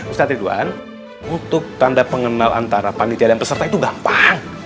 ustadz ridwan untuk tanda pengenal antara panitia dan peserta itu gampang